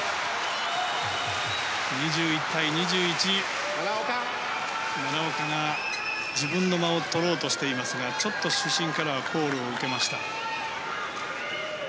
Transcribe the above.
２１対２１奈良岡が自分の間を取ろうとしていますがちょっと主審からはコールを受けました。